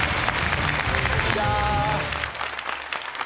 いや！